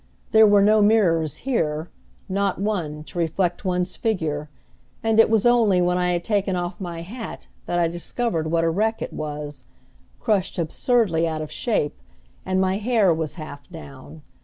There were no mirrors here, not one, to reflect one's figure; and it was only when I had taken off my hat that I discovered what a wreck it was, crushed absurdly out of shape; and my hair was half down.